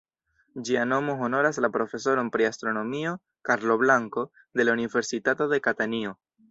Ĝia nomo honoras la profesoron pri astronomio "Carlo Blanco", de la Universitato de Katanio.